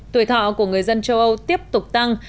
tuổi thọ của người dân châu âu tiếp tục tăng